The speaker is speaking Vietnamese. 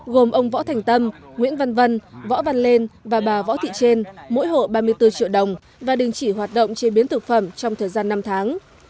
gồm ông võ thành tâm nguyễn văn vân võ văn lên và bà võ thị trên mỗi hộ ba mươi bốn triệu đồng và đình chỉ hoạt động chế biến thực phẩm trong thời gian năm tháng